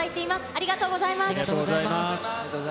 ありがとうございます。